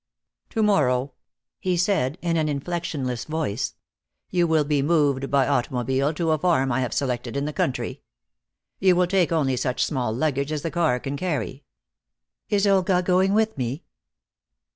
"To morrow," he said, in an inflectionless voice, "you will be moved by automobile to a farm I have selected in the country. You will take only such small luggage as the car can carry." "Is Olga going with me?"